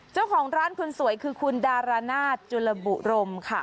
เจ้าของร้านคนสวยคือคุณดารานาศจุลบุรมค่ะ